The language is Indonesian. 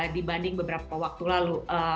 dibanding beberapa waktu lalu